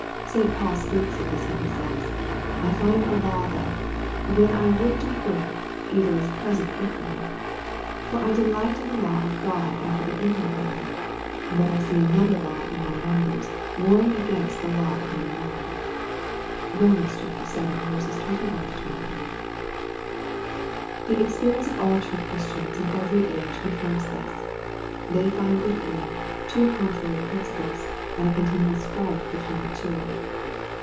St. Paul speaks of this when he says, " I find a law, that, when I would do good, evil is present with me. For I delight in the law of God after the inward man. But I see another law in my members, warring against the law of my mind.'' XC^^m. vii. 21—23.) The ex perience of all true Christians in every age confirms this. They find within, two contrary principles, and a con tinual strife between the two.